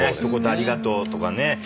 ありがとうとかね。